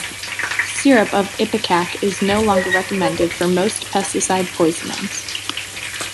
Syrup of ipecac is no longer recommended for most pesticide poisonings.